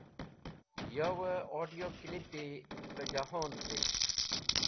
Yo od̃iyo klipi pẽjẽhon vitk.